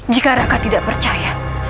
jika raka tidak percaya